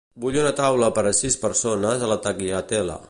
Vull una taula per a sis persones a la Tagliatella.